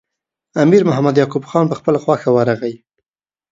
امیر محمد یعقوب خان په خپله خوښه ورغی.